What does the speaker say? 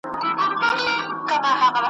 هر یو توری د غزل مي له مغان سره همزولی `